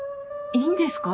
いいんですか？